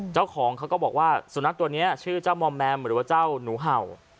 เจ้าของเขาก็บอกว่าสุนัขตัวนี้ชื่อเจ้ามอมแมมหรือว่าเจ้าหนูเห่า